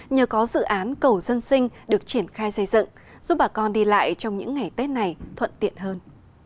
nhờ có dự án cầu dân sinh được triển khai xây dựng giúp bà con đi lại trong những ngày tết này thuận tiện hơn